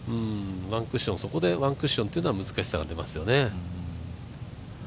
そこでワンクッションというのは難しさが出ますよね。